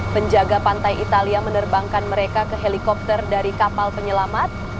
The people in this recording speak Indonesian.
penjaga pantai italia menerbangkan mereka ke helikopter dari kapal penyelamat